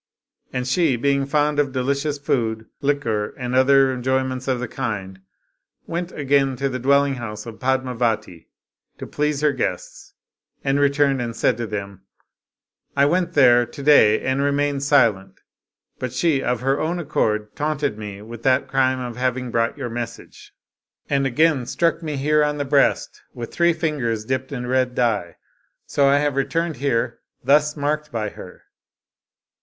And she, being fond of delicious food, liquor, and other enjoyments of the kind, went again to the dwelling house of Padmavati, to please her guests, and returned and said to them, " I went there to day and remained silent, but she of her own accord taunted me with that crime of having brought your mes Ii8 A Tale of a Demon sage, and again struck me here on the breast with three fingers dipped in red dye, so I have returned here thus marked by her."